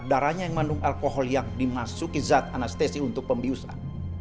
darahnya yang mengandung alkohol yang dimasuki zat anestesi untuk pembiusan